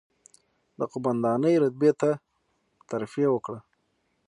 د قوماندانۍ رتبې ته ترفېع وکړه،